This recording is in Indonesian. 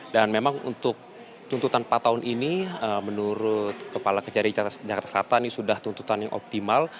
dan memang untuk tuntutan empat tahun ini menurut kepala kejari jakarta selatan ini sudah tuntutan yang optimal